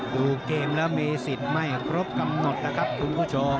ดูเกมแล้วมีสิทธิ์ไม่ครบกำหนดนะครับคุณผู้ชม